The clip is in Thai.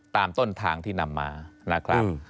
ตามต้นทางที่นำมานะครับ